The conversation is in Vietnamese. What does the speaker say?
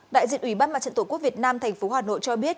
đại diện ủy ban mặt trận tổ quốc việt nam tp hà nội cho biết